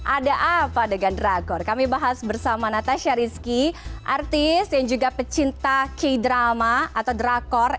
ada apa dengan drakor kami bahas bersama natasha rizky artis yang juga pecinta k drama atau drakor